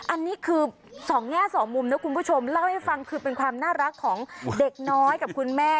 อันนี้คือสองแง่สองมุมนะคุณผู้ชมเล่าให้ฟังคือเป็นความน่ารักของเด็กน้อยกับคุณแม่